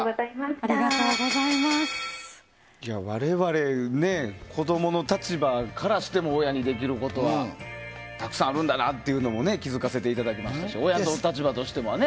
いや、我々ね子供の立場からしても親にできることはたくさんあるんだなっていうのも気づかさせていただきましたし親の立場としてもね。